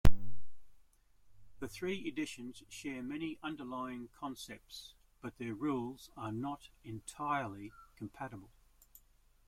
The three editions share many underlying concepts, but their rules are not entirely compatible.